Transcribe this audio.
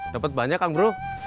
dapet banyak kang bro